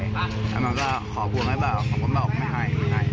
แล้วมันก็ขอปวงให้บอกบอกไม่ให้